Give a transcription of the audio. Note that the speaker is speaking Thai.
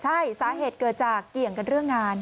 ใช่สาเหตุเกิดจากเกี่ยงกันเรื่องงาน